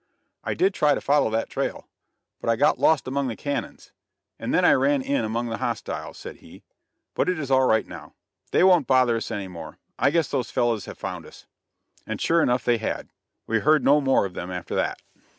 "I did try to follow that trail, but I got lost among the cañons, and then I ran in among the hostiles," said he; "but it is all right now. They won't bother us any more. I guess those fellows have found us." And sure enough they had. We heard no more of them after that.